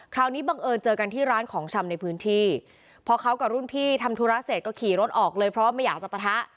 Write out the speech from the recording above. บังเอิญเจอกันที่ร้านของชำในพื้นที่พอเขากับรุ่นพี่ทำธุระเสร็จก็ขี่รถออกเลยเพราะว่าไม่อยากจะปะทะ